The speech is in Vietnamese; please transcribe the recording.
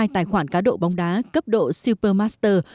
hai tài khoản cá độ bóng đá cấp độ supermaster